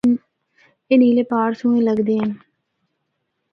اے نیلے پہاڑ سہنڑے لگدے ہن۔